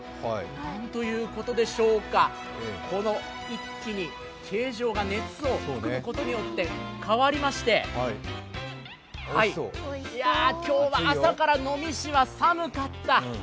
なんということでしょうか、一気に形状が熱を作ることによって変わりまして、今日は朝から能美市は寒かった。